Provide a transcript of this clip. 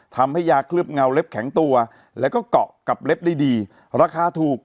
ทำให้ยาเคลือบเงาเล็บแข็งตัวแล้วก็เกาะกับเล็บได้ดีราคาถูก